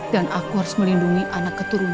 dan aku harus melindungi anak keturunan